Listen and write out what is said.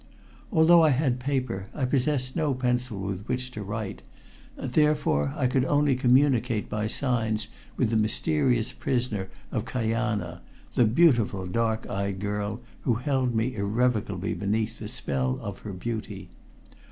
Although I had paper, I possessed no pencil with which to write, therefore I could only communicate by signs with the mysterious prisoner of Kajana, the beautiful dark eyed girl who held me irrevocably beneath the spell of her beauty.